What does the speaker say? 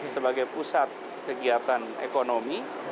sebagai pusat kegiatan ekonomi